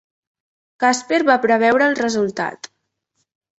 Casper va preveure el resultat.